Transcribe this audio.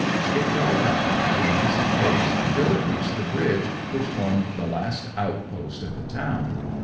It jogged on at an easy pace till it reached the bridge which formed the last outpost of the town.